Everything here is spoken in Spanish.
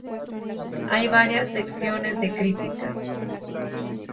Hay varias secciones de críticas.